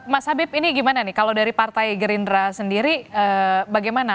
mas habib ini gimana nih kalau dari partai gerindra sendiri bagaimana